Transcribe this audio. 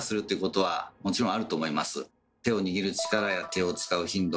手を握る力や手を使う頻度